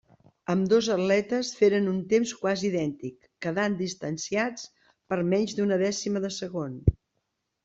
Ambdós atletes feren un temps quasi idèntic, quedant distanciats per menys d'una dècima de segon.